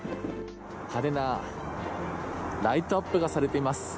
派手なライトアップがされています。